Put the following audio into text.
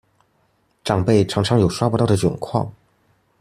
長輩常常有刷不到的窘況